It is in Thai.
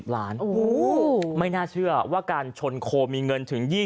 ๑๐ล้านโอ้โหไม่น่าเชื่อว่าการชนโคมีเงินถึง๒